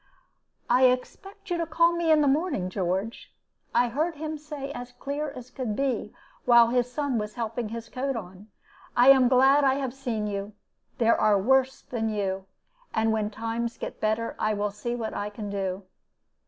"'I expect you to call me in the morning, George,' I heard him say, as clear as could be, while his son was helping his coat on. 'I am glad I have seen you. There are worse than you. And when the times get better, I will see what I can do.'